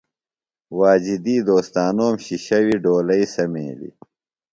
واجدی دوستانوم شِشیویۡ ڈولئی سمیلیۡ۔